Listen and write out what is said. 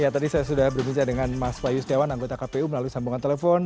ja tadi saya sudah berbicara dengan mas wayu setiawan anggota kpu melalui sambungan telepon